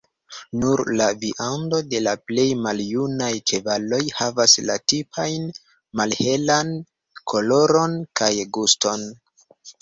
Nur la viando de plej maljunaj ĉevaloj havas la tipajn malhelan koloron kaj guston.